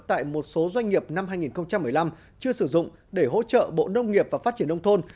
tại một số doanh nghiệp năm hai nghìn một mươi năm chưa sử dụng để hỗ trợ bộ nông nghiệp và phát triển nông thôn